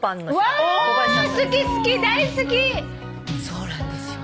そうなんですよ。